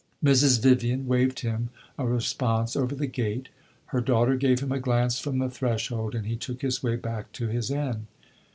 Mrs. Vivian waved him a response over the gate, her daughter gave him a glance from the threshold, and he took his way back to his inn.